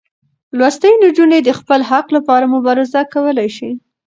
لوستې نجونې د خپل حق لپاره مبارزه کولی شي.